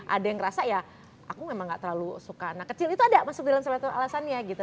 ada yang rasa ya aku memang enggak terlalu suka anak kecil itu ada masuk dalam sebatas alasannya gitu